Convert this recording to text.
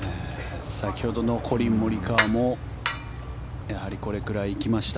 先ほどのコリン・モリカワもやはりこれくらい行きました。